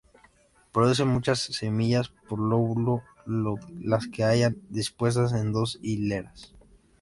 Produce muchas semillas por lóculo, las que se hallan dispuestas en dos hileras.